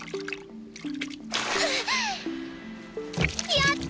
やった！